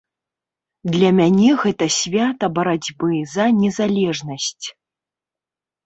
Для мяне гэта свята барацьбы за незалежнасць.